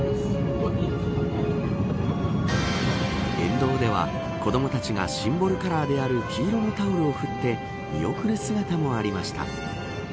沿道では、子どもたちがシンボルカラーである黄色のタオルを振って見送る姿もありました。